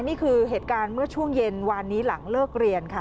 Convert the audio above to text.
นี่คือเหตุการณ์เมื่อช่วงเย็นวานนี้หลังเลิกเรียนค่ะ